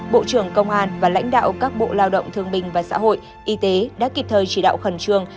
bộ trưởng công an và lãnh đạo các bộ lao động thương bình và xã hội y tế đã kịp thời chỉ đạo khẩn trương